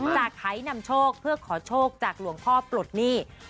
ไขนำโชคเพื่อขอโชคจากหลวงพ่อปลดหนี้